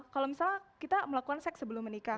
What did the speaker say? kalau misalnya kita melakukan seks sebelum menikah